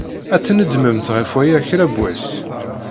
Ad tnedmemt ɣef waya kra n wass.